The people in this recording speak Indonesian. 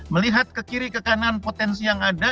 melihat ke kiri ke kanan potensi yang ada